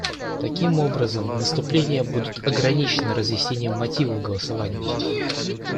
Таким образом, выступления будут ограничены разъяснением мотивов голосования.